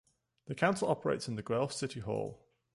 The council operates in the Guelph City Hall.